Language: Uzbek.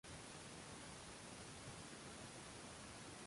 • Qasamxo‘r qasamga ishonmaydi.